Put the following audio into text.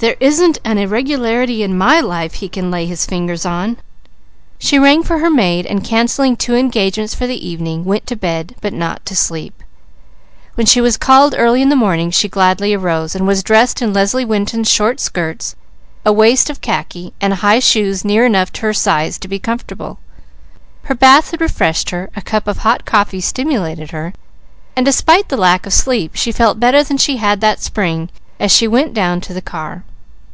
There isn't an irregularity in my life he can lay his fingers on!" She rang for her maid and cancelling two engagements for the evening, went to bed, but not to sleep. When she was called early in the morning, she gladly arose, and was dressed in Leslie Winton's short skirts, a waist of khaki, and high shoes near enough her size to be comfortable. Her bath had refreshed her, a cup of hot coffee stimulated her, and despite the lack of sleep she felt better than she had that spring as she went down to the car.